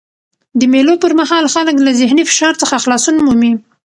د مېلو پر مهال خلک له ذهني فشار څخه خلاصون مومي.